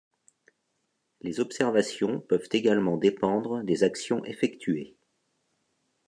Les observations peuvent également dépendre des actions effectuées.